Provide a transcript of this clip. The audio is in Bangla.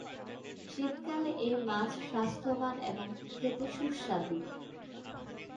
শীতকালে এ মাছ স্বাস্থ্যবান এবং খেতে সুস্বাদু।